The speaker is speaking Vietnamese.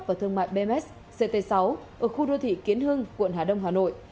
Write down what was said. và thương mại bms ct sáu ở khu đô thị kiến hưng quận hà đông hà nội